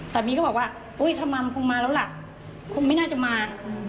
สามีก็บอกว่าอุ๊ยธรรมคงมาแล้วล่ะคงไม่น่าจะมา